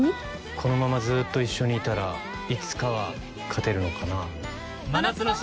このままずっと一緒にいたらいつかは勝てるのかな。